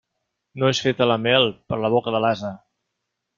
No és feta la mel per a la boca de l'ase.